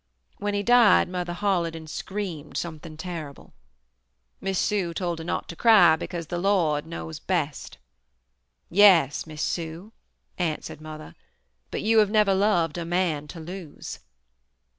When he died Mother hollered and screamed something terrible. Miss Sue told her not to cry because, 'the Lord knows best.' 'Yes, Miss Sue,' answered Mother, 'but you have never loved a man to lose.'